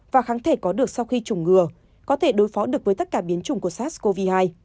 và kháng thể có được sau khi chủng ngừa có thể đối phó được với tất cả biến chủng của sars cov hai